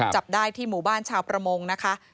จับได้ที่หมู่บ้านชาวประมงนะคะ